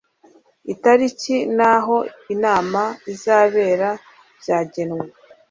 Itariki n'aho inama izabera byagenwe.